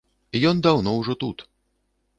Ён даўно ўжо тут.